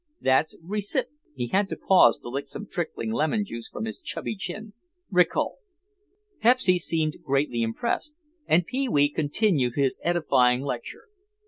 That's recip—" He had to pause to lick some trickling lemon juice from his chubby chin, "rical." Pepsy seemed greatly impressed, and Pee wee continued his edifying lecture.